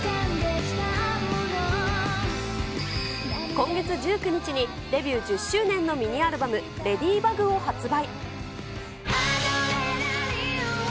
今月１９日に、デビュー１０周年のミニアルバム、レディーバグを発売。